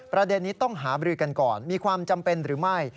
ประเด็นนี้ต้องหาบริกันก่อนมีความจำเป็นหรือไม่